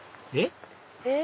えっ？